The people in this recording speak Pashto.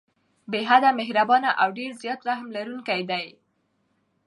بې حده مهربان او ډير زيات رحم لرونکی دی